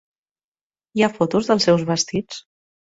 Hi ha fotos dels seus vestits?